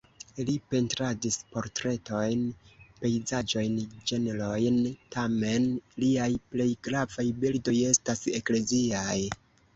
Li pentradis portretojn, pejzaĝojn, ĝenrojn, tamen liaj plej gravaj bildoj estas ekleziaj.